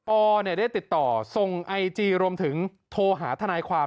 อได้ติดต่อส่งไอจีรวมถึงโทรหาทนายความ